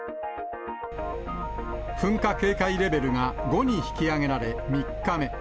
噴火警戒レベルが５に引き上げられ、３日目。